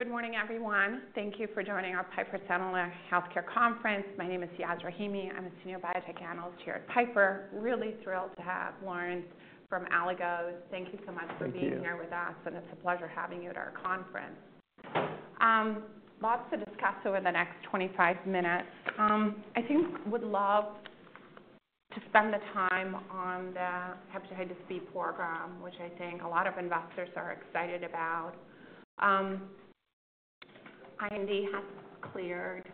Good morning, everyone. Thank you for joining our Piper Sandler Healthcare Conference. My name is Yasmeen Rahimi. I'm a Senior Biotech Analyst here at Piper. Really thrilled to have Lawrence from Aligos. Thank you so much for being here with us, and it's a pleasure having you at our conference. Lots to discuss over the next 25 minutes. I think we'd love to spend the time on the hepatitis B program, which I think a lot of investors are excited about. IND has cleared.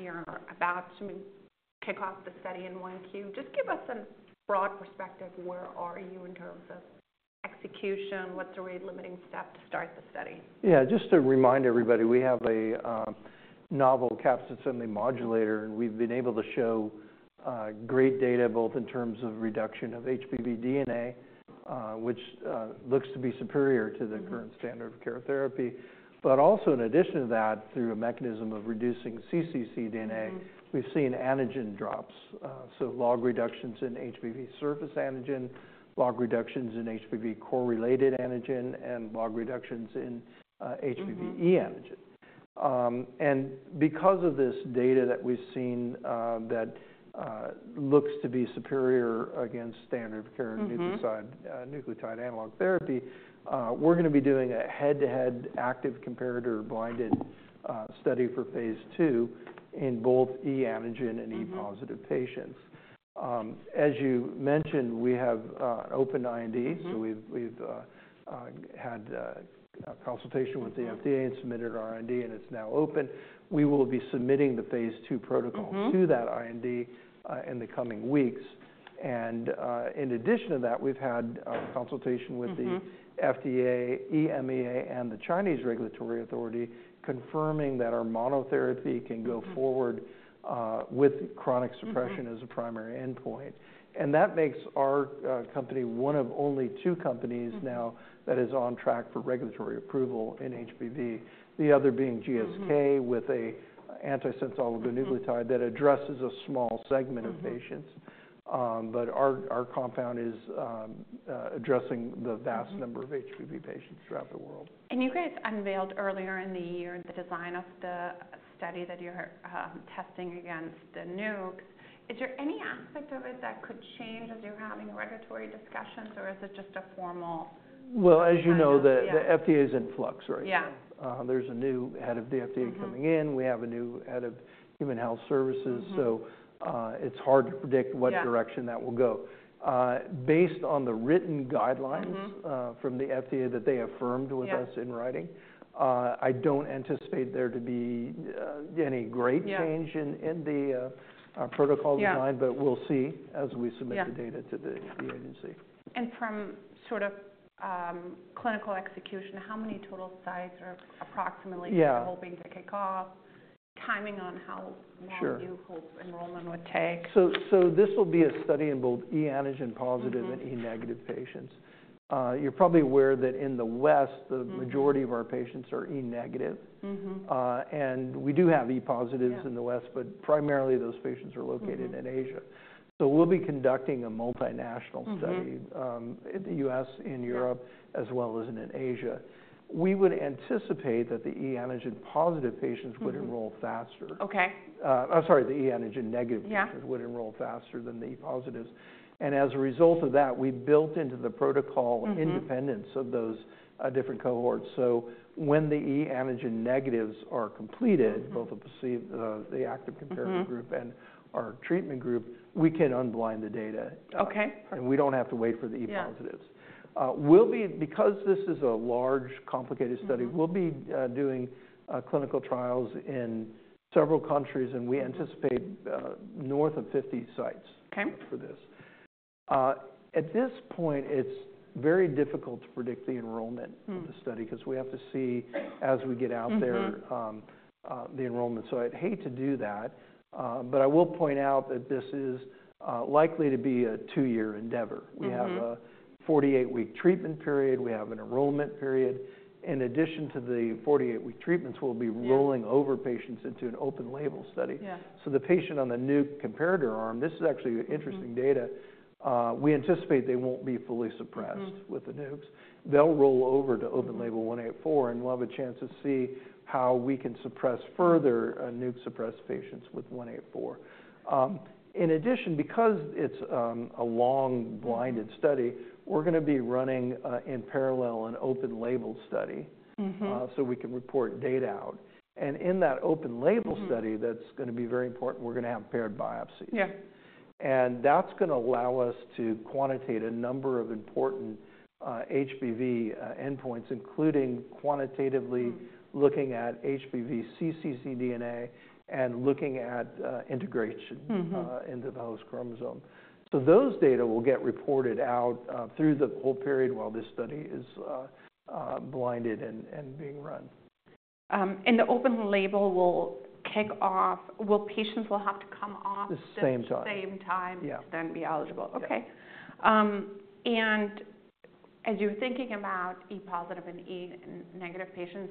You're about to kick off the study in Q1. Just give us a broad perspective. Where are you in terms of execution? What's a rate-limiting step to start the study? Yeah, just to remind everybody, we have a novel capsid assembly modulator, and we've been able to show great data, both in terms of reduction of HBV DNA, which looks to be superior to the current standard of care therapy. But also, in addition to that, through a mechanism of reducing cccDNA, we've seen antigen drops. So, log reductions in HBV surface antigen, log reductions in HBV core-related antigen, and log reductions in HBe antigen. And because of this data that we've seen that looks to be superior against standard of care nucleotide analog therapy, we're going to be doing a head-to-head active comparator blinded study for phase 2 in both HBe antigen and HBe positive patients. As you mentioned, we have opened IND, so we've had consultation with the FDA and submitted our IND, and it's now open. We will be submitting the phase two protocol to that IND in the coming weeks, and in addition to that, we've had consultation with the FDA, EMEA, and the Chinese regulatory authority confirming that our monotherapy can go forward with chronic suppression as a primary endpoint, and that makes our company one of only two companies now that is on track for regulatory approval in HBV, the other being GSK with an antisense oligonucleotide that addresses a small segment of patients, but our compound is addressing the vast number of HBV patients throughout the world. You guys unveiled earlier in the year the design of the study that you're testing against the nukes. Is there any aspect of it that could change as you're having regulatory discussions, or is it just a formal? As you know, the FDA is in flux, right? Yeah. There's a new head of the FDA coming in. We have a new head of Health and Human Services, so it's hard to predict what direction that will go. Based on the written guidelines from the FDA that they affirmed with us in writing, I don't anticipate there to be any great change in the protocol design, but we'll see as we submit the data to the agency. From sort of clinical execution, how many total sites are approximately you're hoping to kick off? Timing on how long you hope enrollment would take? Sure. So this will be a study in both E antigen positive and E negative patients. You're probably aware that in the West, the majority of our patients are E negative. And we do have E positives in the West, but primarily those patients are located in Asia. So we'll be conducting a multinational study in the U.S., in Europe, as well as in Asia. We would anticipate that the E antigen positive patients would enroll faster. Okay. I'm sorry, the E antigen negative patients would enroll faster than the E positives, and as a result of that, we built into the protocol independence of those different cohorts, so when the E antigen negatives are completed, both the active comparator group and our treatment group, we can unblind the data. Okay. We don't have to wait for the E positives. Because this is a large, complicated study, we'll be doing clinical trials in several countries, and we anticipate north of 50 sites for this. At this point, it's very difficult to predict the enrollment of the study because we have to see as we get out there the enrollment. I'd hate to do that. I will point out that this is likely to be a two-year endeavor. We have a 48-week treatment period. We have an enrollment period. In addition to the 48-week treatments, we'll be rolling over patients into an open label study. The patient on the nuke comparator arm, this is actually interesting data. We anticipate they won't be fully suppressed with the nukes. They'll roll over to open label 184, and we'll have a chance to see how we can suppress further nuke suppressed patients with 184. In addition, because it's a long blinded study, we're going to be running in parallel an open label study so we can report data out, and in that open label study that's going to be very important, we're going to have paired biopsies. Yeah. That's going to allow us to quantitate a number of important HBV endpoints, including quantitatively looking at HBV CCC DNA and looking at integration into the host chromosome. Those data will get reported out through the whole period while this study is blinded and being run. And the open label will kick off. Will patients have to come off? The same time. The same time? Yeah. Then be eligible. Okay. And as you're thinking about E positive and E negative patients,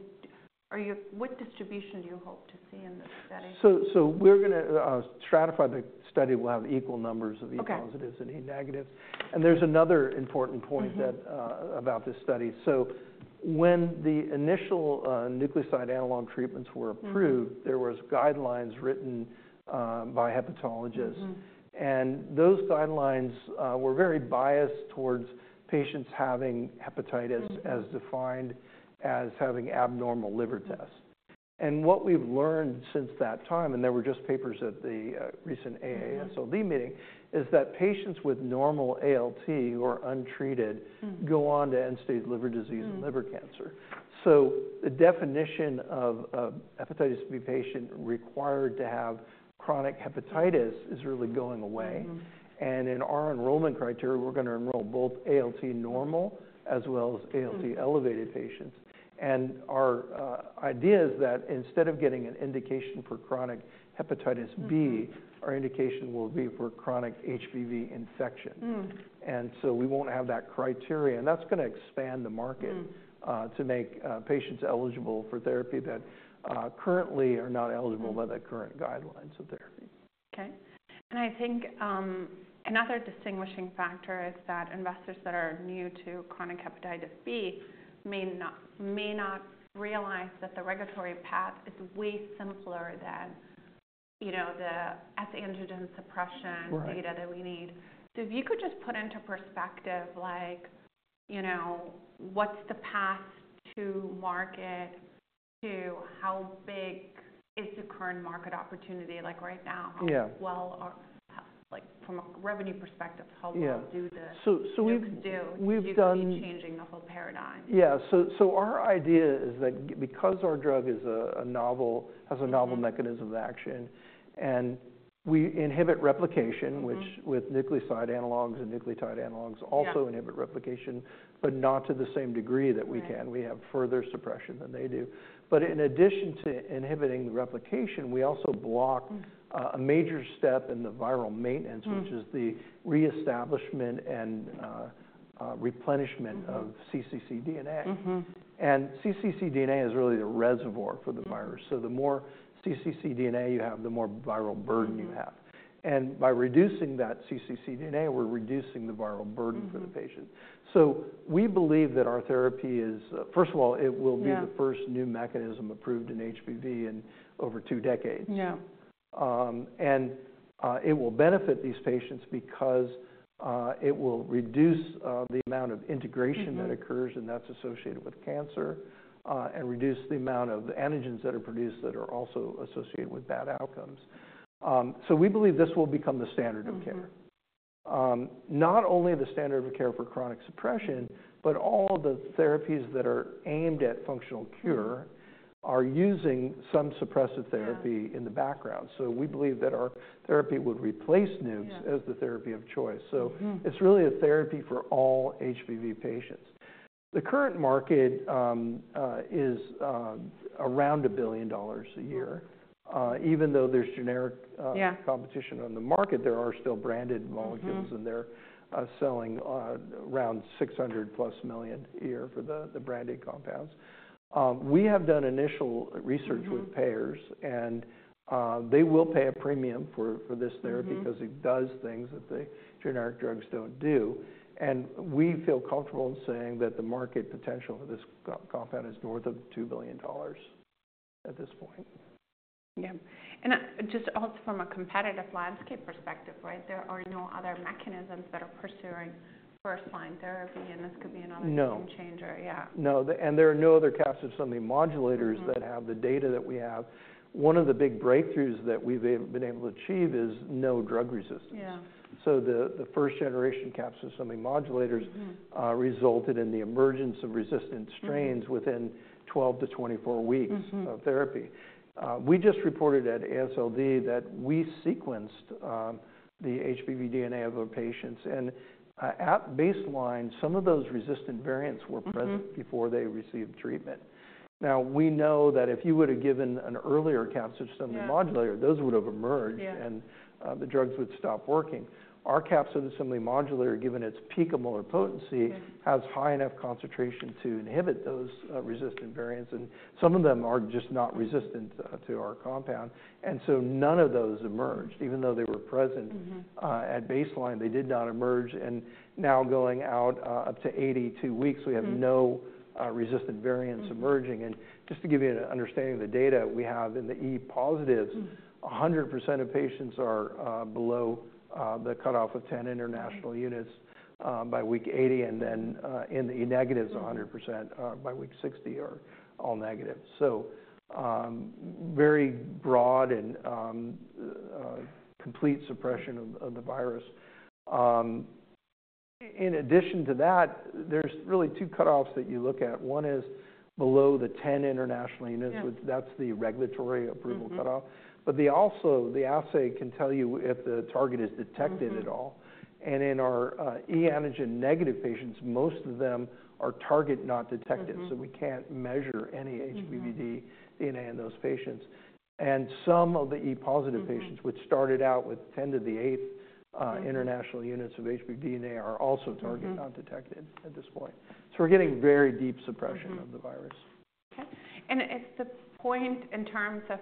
what distribution do you hope to see in this study? So we're going to stratify the study. We'll have equal numbers of E positives and E negatives. And there's another important point about this study. So when the initial nucleoside analog treatments were approved, there were guidelines written by hepatologists. And those guidelines were very biased towards patients having hepatitis as defined as having abnormal liver tests. And what we've learned since that time, and there were just papers at the recent AASLD meeting, is that patients with normal ALT or untreated go on to end-stage liver disease and liver cancer. So the definition of a hepatitis B patient required to have chronic hepatitis is really going away. And in our enrollment criteria, we're going to enroll both ALT normal as well as ALT elevated patients. And our idea is that instead of getting an indication for chronic hepatitis B, our indication will be for chronic HBV infection. And so we won't have that criteria. And that's going to expand the market to make patients eligible for therapy that currently are not eligible by the current guidelines of therapy. Okay. I think another distinguishing factor is that investors that are new to chronic hepatitis B may not realize that the regulatory path is way simpler than the antigen suppression data that we need. If you could just put into perspective, what's the path to market to how big is the current market opportunity? Like right now, from a revenue perspective, how well do the nukes do? Yeah. So we've done. Keep changing the whole paradigm. Yeah. So our idea is that because our drug has a novel mechanism of action and we inhibit replication, which with nucleoside analogs and nucleotide analogs also inhibit replication, but not to the same degree that we can. We have further suppression than they do. But in addition to inhibiting replication, we also block a major step in the viral maintenance, which is the reestablishment and replenishment of cccDNA. And cccDNA is really the reservoir for the virus. So the more cccDNA you have, the more viral burden you have. And by reducing that cccDNA, we're reducing the viral burden for the patient. So we believe that our therapy is, first of all, it will be the first new mechanism approved in HBV in over two decades. Yeah. And it will benefit these patients because it will reduce the amount of integration that occurs and that's associated with cancer and reduce the amount of antigens that are produced that are also associated with bad outcomes. So we believe this will become the standard of care. Not only the standard of care for chronic suppression, but all the therapies that are aimed at functional cure are using some suppressive therapy in the background. So we believe that our therapy would replace nukes as the therapy of choice. So it's really a therapy for all HBV patients. The current market is around $1 billion a year. Even though there's generic competition on the market, there are still branded molecules in there. Selling around $600 million-plus a year for the branded compounds. We have done initial research with payers, and they will pay a premium for this therapy because it does things that the generic drugs don't do, and we feel comfortable in saying that the market potential for this compound is north of $2 billion at this point. Yeah. And just also from a competitive landscape perspective, right, there are no other mechanisms that are pursuing first-line therapy, and this could be another game changer. Yeah. No. And there are no other capsid assembly modulators that have the data that we have. One of the big breakthroughs that we've been able to achieve is no drug resistance. Yeah. So the first-generation capsid assembly modulators resulted in the emergence of resistant strains within 12-24 weeks of therapy. We just reported at AASLD that we sequenced the HBV DNA of our patients. And at baseline, some of those resistant variants were present before they received treatment. Now, we know that if you would have given an earlier capsid assembly modulator, those would have emerged and the drugs would stop working. Our capsid assembly modulator, given its high potency, has high enough concentration to inhibit those resistant variants. And some of them are just not resistant to our compound. And so none of those emerged. Even though they were present at baseline, they did not emerge. And now going out up to 82 weeks, we have no resistant variants emerging. Just to give you an understanding of the data we have in the E positives, 100% of patients are below the cutoff of 10 international units by week 80. Then in the E negatives, 100% by week 60 are all negative. Very broad and complete suppression of the virus. In addition to that, there's really two cutoffs that you look at. One is below the 10 international units. That's the regulatory approval cutoff. The assay can tell you if the target is detected at all. In our E antigen negative patients, most of them are target not detected. We can't measure any HBV DNA in those patients. Some of the E positive patients, which started out with 10 to the eighth international units of HBV DNA, are also target not detected at this point. We're getting very deep suppression of the virus. Okay. And at the point in terms of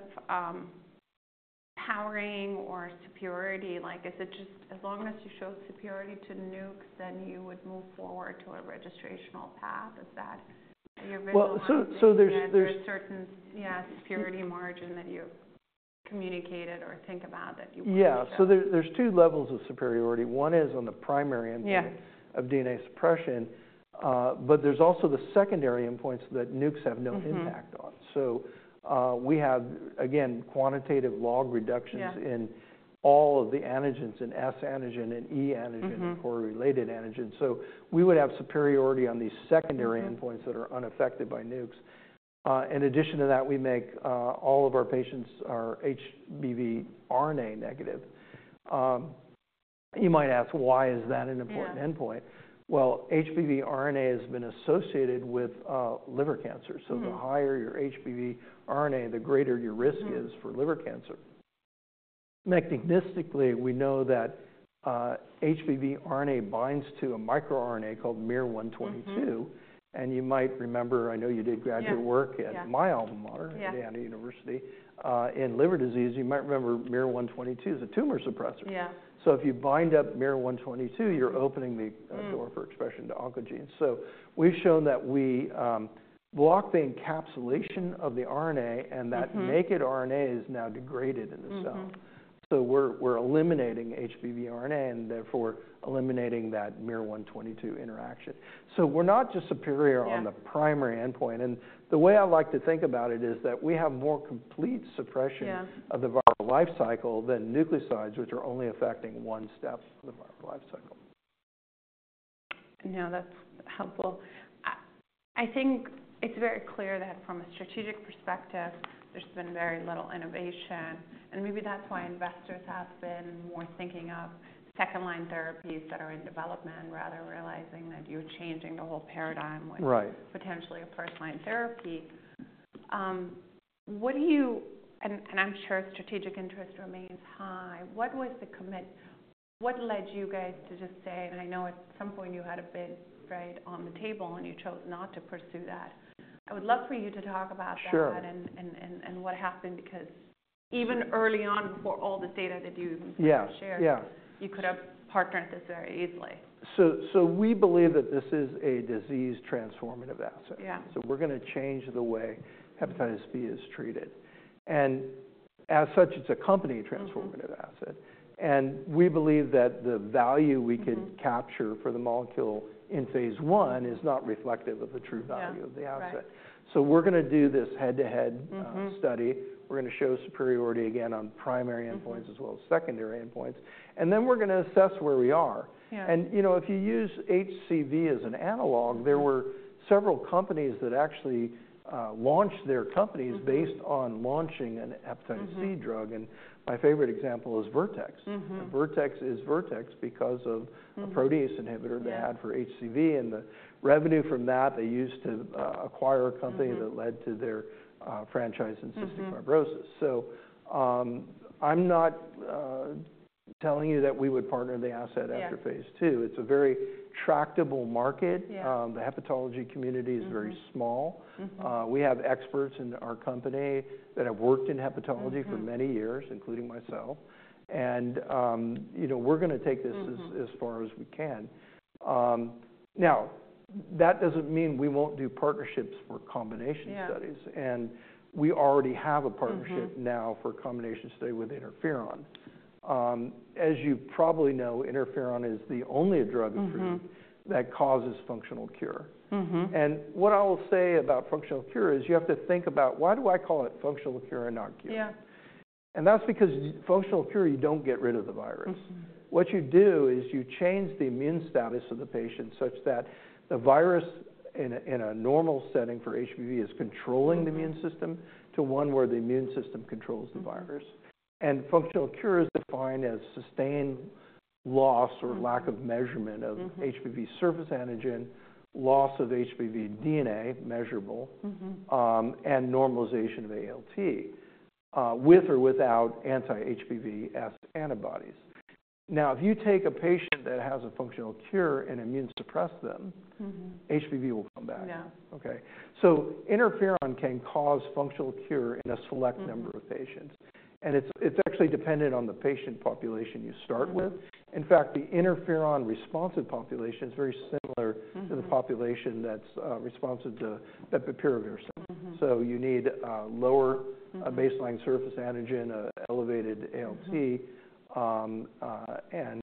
powering or superiority, is it just as long as you show superiority to nukes, then you would move forward to a registrational path? Is that your vision? Well, so there's. There's a certain, yeah, security margin that you communicated or think about that you want to have. Yeah. So there's two levels of superiority. One is on the primary endpoint of DNA suppression, but there's also the secondary endpoints that nukes have no impact on. So we have, again, quantitative log reductions in all of the antigens and S antigen and E antigen and core-related antigens. So we would have superiority on these secondary endpoints that are unaffected by nukes. In addition to that, we make all of our patients are HBV RNA negative. You might ask, why is that an important endpoint? Well, HBV RNA has been associated with liver cancer. So the higher your HBV RNA, the greater your risk is for liver cancer. Mechanistically, we know that HBV RNA binds to a microRNA called miR-122. And you might remember, I know you did graduate work at my alma mater, Indiana University, in liver disease. You might remember miR-122 is a tumor suppressor. Yeah. So if you bind up miR-122, you're opening the door for expression to oncogenes. So we've shown that we block the encapsulation of the RNA and that naked RNA is now degraded in the cell. So we're eliminating HBV RNA and therefore eliminating that miR-122 interaction. So we're not just superior on the primary endpoint. And the way I like to think about it is that we have more complete suppression of the viral life cycle than nucleosides, which are only affecting one step of the viral life cycle. No, that's helpful. I think it's very clear that from a strategic perspective, there's been very little innovation. And maybe that's why investors have been more thinking of second-line therapies that are in development rather than realizing that you're changing the whole paradigm with potentially a first-line therapy. What do you, and I'm sure strategic interest remains high, what was the commitment? What led you guys to just say, and I know at some point you had a bid right on the table and you chose not to pursue that? I would love for you to talk about that and what happened because even early on, before all this data that you shared, you could have partnered this very easily. We believe that this is a disease transformative asset. We're going to change the way hepatitis B is treated. And as such, it's a company transformative asset. And we believe that the value we could capture for the molecule in phase 1 is not reflective of the true value of the asset. We're going to do this head-to-head study. We're going to show superiority again on primary endpoints as well as secondary endpoints. And then we're going to assess where we are. And if you use HCV as an analog, there were several companies that actually launched their companies based on launching a hepatitis C drug. And my favorite example is Vertex. And Vertex is Vertex because of a protease inhibitor they had for HCV. And the revenue from that, they used to acquire a company that led to their franchise in cystic fibrosis. So I'm not telling you that we would partner the asset after phase two. It's a very tractable market. The hepatology community is very small. We have experts in our company that have worked in hepatology for many years, including myself. And we're going to take this as far as we can. Now, that doesn't mean we won't do partnerships for combination studies. And we already have a partnership now for a combination study with Interferon. As you probably know, Interferon is the only drug approved that causes functional cure. And what I will say about functional cure is you have to think about, why do I call it functional cure and not cure? Yeah. That's because functional cure, you don't get rid of the virus. What you do is you change the immune status of the patient such that the virus in a normal setting for HBV is controlling the immune system to one where the immune system controls the virus. Functional cure is defined as sustained loss or lack of measurement of HBV surface antigen, loss of HBV DNA measurable, and normalization of ALT with or without anti-HBV S antibodies. Now, if you take a patient that has a functional cure and immune suppress them, HBV will come back. Yeah. Okay. So interferon can cause functional cure in a select number of patients. And it's actually dependent on the patient population you start with. In fact, the interferon responsive population is very similar to the population that's responsive to Epivir, adefovir. So you need lower baseline surface antigen, elevated ALT, and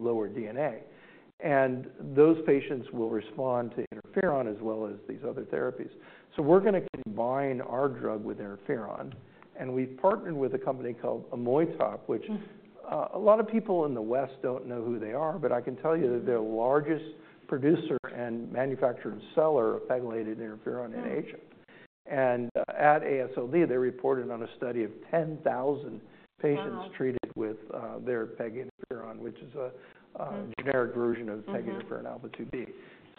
lower DNA. And those patients will respond to interferon as well as these other therapies. So we're going to combine our drug with interferon. And we've partnered with a company called Amoytop, which a lot of people in the West don't know who they are, but I can tell you that they're the largest producer and manufacturer and seller of pegylated interferon in Asia. And at AASLD, they reported on a study of 10,000 patients treated with their pegylated interferon, which is a generic version of pegylated interferon alpha-2b.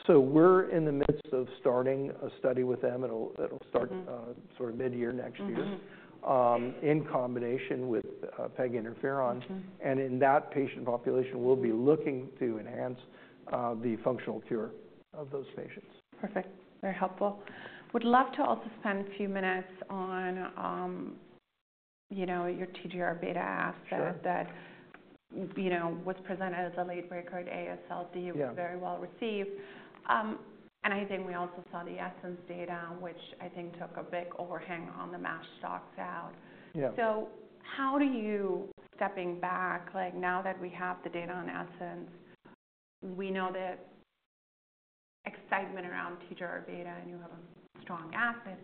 So we're in the midst of starting a study with them. It'll start sort of mid-year next year in combination with pegylated interferon. And in that patient population, we'll be looking to enhance the functional cure of those patients. Perfect. Very helpful. Would love to also spend a few minutes on your THR beta asset that was presented as a late-breaker at AASLD. It was very well received. And I think we also saw the ESSENCE data, which I think took a big overhang on the MASH stocks out. So how do you, stepping back, like now that we have the data on ESSENCE, we know the excitement around THR beta and you have a strong asset.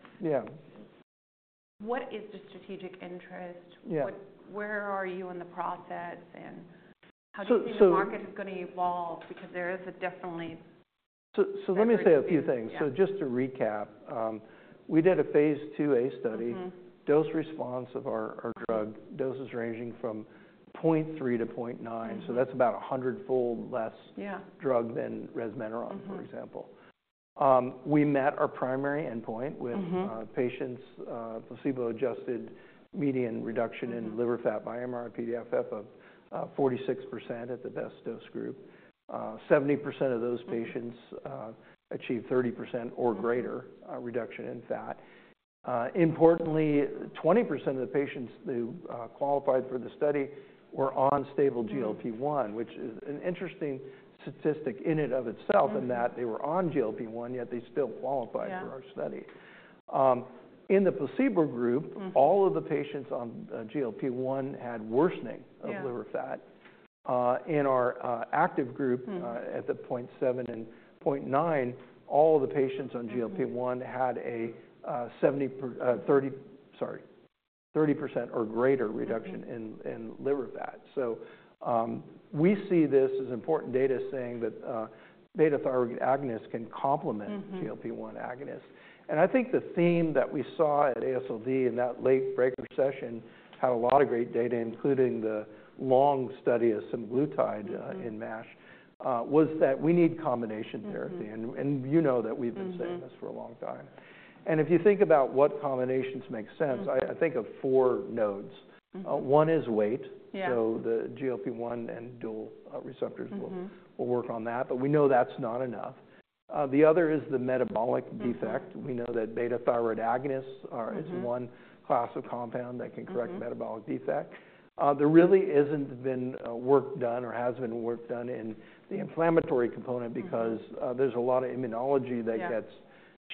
What is the strategic interest? Where are you in the process? And how do you see the market is going to evolve? Because there is a definitely. Let me say a few things. Just to recap, we did a phase 2A study. Dose response of our drug, doses ranging from 0.3 to 0.9. That's about a hundred-fold less drug than resmetirom, for example. We met our primary endpoint with patients' placebo-adjusted median reduction in liver fat by MRI-PDFF of 46% at the best dose group. 70% of those patients achieved 30% or greater reduction in fat. Importantly, 20% of the patients who qualified for the study were on stable GLP-1, which is an interesting statistic in and of itself in that they were on GLP-1, yet they still qualified for our study. In the placebo group, all of the patients on GLP-1 had worsening of liver fat. In our active group at the 0.7 and 0.9, all of the patients on GLP-1 had a 30% or greater reduction in liver fat. So we see this as important data saying that beta thyroid agonists can complement GLP-1 agonists. And I think the theme that we saw at AASLD in that late-breaker session had a lot of great data, including the long study of semaglutide in MASH, was that we need combination therapy. And you know that we've been saying this for a long time. And if you think about what combinations make sense, I think of four nodes. One is weight. So the GLP-1 and dual receptors will work on that. But we know that's not enough. The other is the metabolic defect. We know that beta thyroid agonists are one class of compound that can correct metabolic defect. There really isn't been work done or has been work done in the inflammatory component because there's a lot of immunology that gets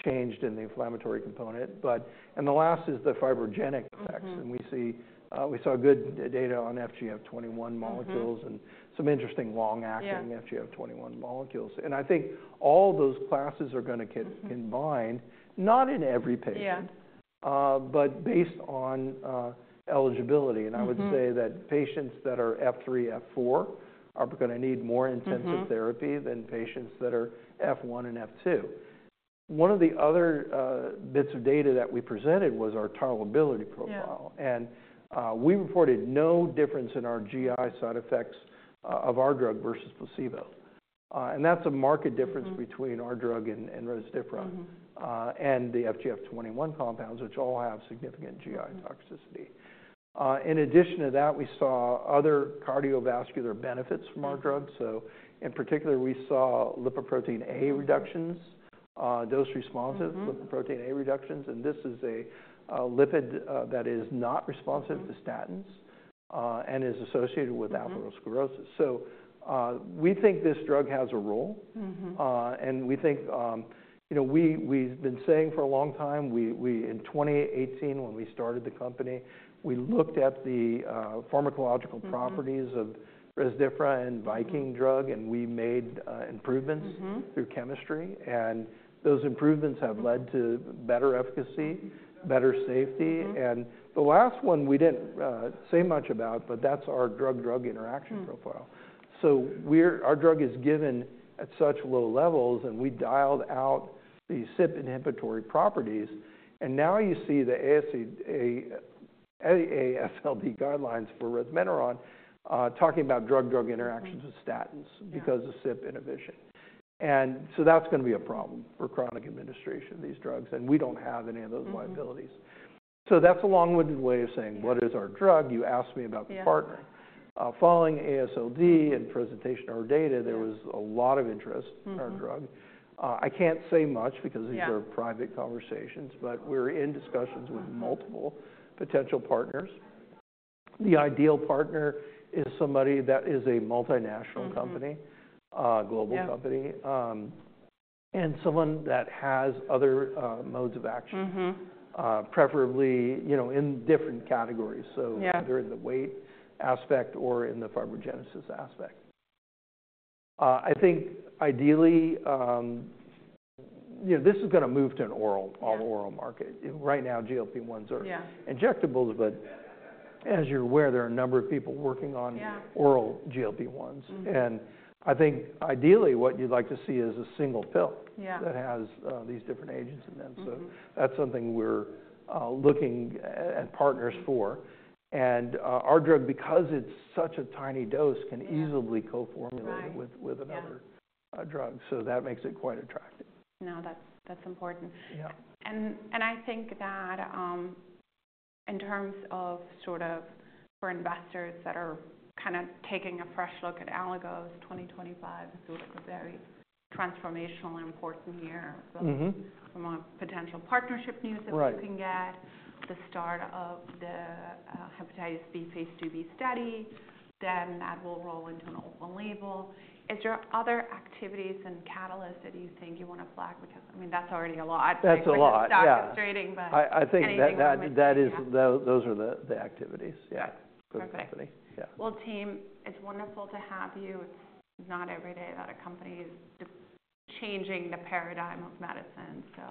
changed in the inflammatory component. The last is the fibrogenic effects. We saw good data on FGF21 molecules and some interesting long-acting FGF21 molecules. I think all those classes are going to combine, not in every patient, but based on eligibility. I would say that patients that are F3, F4 are going to need more intensive therapy than patients that are F1 and F2. One of the other bits of data that we presented was our tolerability profile. We reported no difference in our GI side effects of our drug versus placebo. That's a market difference between our drug and Resmetirom and the FGF21 compounds, which all have significant GI toxicity. In addition to that, we saw other cardiovascular benefits from our drug. In particular, we saw lipoprotein(a) reductions, dose responsive lipoprotein(a) reductions. And this is a lipid that is not responsive to statins and is associated with atherosclerosis. So we think this drug has a role. And we think we've been saying for a long time, in 2018, when we started the company, we looked at the pharmacological properties of Resmetirom and Viking Therapeutics drug, and we made improvements through chemistry. And those improvements have led to better efficacy, better safety. And the last one we didn't say much about, but that's our drug-drug interaction profile. So our drug is given at such low levels, and we dialed out the CYP inhibitory properties. And now you see the AASLD guidelines for Resmetirom talking about drug-drug interactions with statins because of CYP inhibition. And so that's going to be a problem for chronic administration of these drugs. And we don't have any of those liabilities. So that's a long-winded way of saying what is our drug. You asked me about the partner. Following AASLD and presentation of our data, there was a lot of interest in our drug. I can't say much because these are private conversations, but we're in discussions with multiple potential partners. The ideal partner is somebody that is a multinational company, global company, and someone that has other modes of action, preferably in different categories. So either in the weight aspect or in the fibrogenesis aspect. I think ideally, this is going to move to an all-oral market. Right now, GLP-1s are injectables. But as you're aware, there are a number of people working on oral GLP-1s. And I think ideally, what you'd like to see is a single pill that has these different agents in them. So that's something we're looking at partners for. Our drug, because it's such a tiny dose, can easily co-formulate with another drug. That makes it quite attractive. No, that's important, and I think that in terms of sort of for investors that are kind of taking a fresh look at Aligos, 2025 is sort of a very transformational and important year from a potential partnership news that you can get, the start of the hepatitis B phase 2B study, then that will roll into an open label. Is there other activities and catalysts that you think you want to flag? Because I mean, that's already a lot. That's a lot. It's frustrating, but anything that you can think of. I think that those are the activities. Yeah. Perfect. Well, team, it's wonderful to have you. It's not every day that a company is changing the paradigm of medicine. So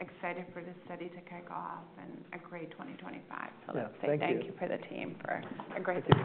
excited for this study to kick off and a great 2025. So thank you to the team for a great study.